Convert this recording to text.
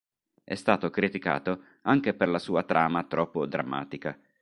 È stato criticato anche per la sua trama troppo drammatica.